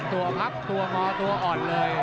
ตัวพับตัวงอตัวอ่อนเลย